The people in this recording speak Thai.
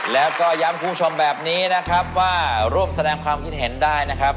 แล้วก็ย้ำคุณผู้ชมแบบนี้นะครับว่าร่วมแสดงความคิดเห็นได้นะครับ